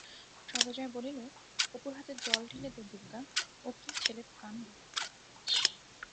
সর্বজয়া বলিল, অপুর হাতে জল ঢেলে দে দুগগা, ও কি ছেলেব কাণ্ড?